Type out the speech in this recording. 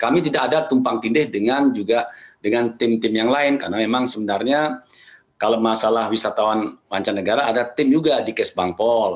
kami tidak ada tumpang tindih dengan juga dengan tim tim yang lain karena memang sebenarnya kalau masalah wisatawan mancanegara ada tim juga di kes bank paul